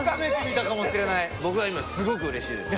僕は今すごくうれしいです。